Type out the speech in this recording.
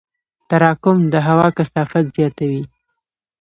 تراکم د هوا کثافت زیاتوي.